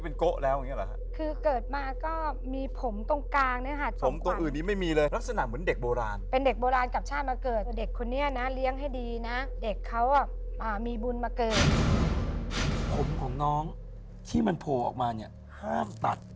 ผมของน้องที่มันโผล่ออกมาเนี่ยห้ามตัด